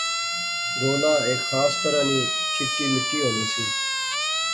گولا ہیک خاص طرح نی چٹی مٹی ہونی سی